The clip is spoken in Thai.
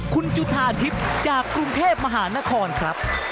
คุณจุธาทิพย์จากกรุงเทพมหานครครับ